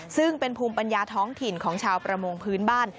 ซึ่งเป็นภูมิปัญญาท้องถิ่นของชาวประมงพื้นบ้าน